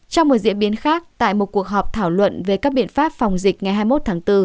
trong một diễn biến khác tại một cuộc họp thảo luận về các biện pháp phòng dịch ngày hai mươi một tháng bốn